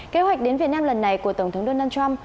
kế hoạch đến việt nam lần này của tổng thống donald trump